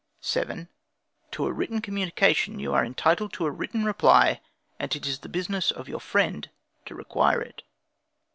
7. To a written communication you are entitled to a written reply, and it is the business of your friend to require it.